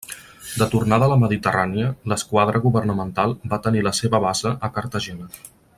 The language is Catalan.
De tornada a la Mediterrània, l'esquadra governamental va tenir la seva base a Cartagena.